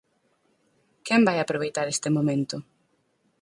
¿Quen vai aproveitar este momento?